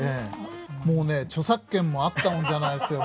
もうね著作権もあったもんじゃないですよ。